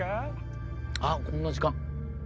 あっこんな時間。